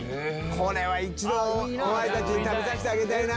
これは一度、お前たちに食べさしてあげたいな。